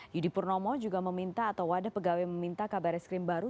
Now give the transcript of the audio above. yudi purnomo juga meminta atau wadah pegawai meminta kabar eskrim baru